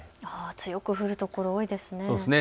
強く降る所、多いですね。